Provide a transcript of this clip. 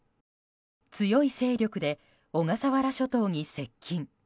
強い勢力で小笠原諸島に接近。